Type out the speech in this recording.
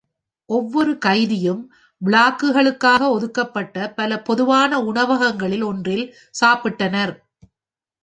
ஒவ்வொரு கைதியும் பிளாக்குகளுக்காக ஒதுக்கப்பட்ட பல பொதுவான உணவகங்களில் ஒன்றில் சாப்பிட்டனர்.